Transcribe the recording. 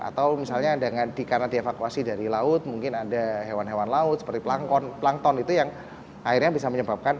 atau misalnya karena dievakuasi dari laut mungkin ada hewan hewan laut seperti plankton itu yang akhirnya bisa menyebabkan